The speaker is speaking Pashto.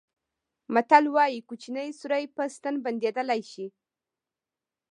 متل وایي کوچنی سوری په ستن بندېدلای شي.